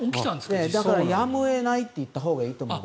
だからやむを得ないといったほうがいいと思う。